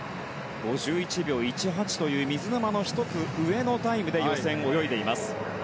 ５１秒１８という水沼の１つ上のタイムで予選を泳いでいます。